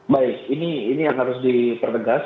baik ini yang harus dipertegas